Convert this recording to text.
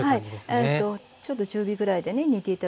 えとちょっと中火ぐらいでね煮て頂ければいいです。